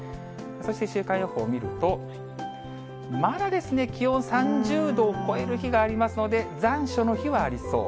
そして週間予報を見ると、まだ気温３０度を超える日がありますので、残暑の日はありそう。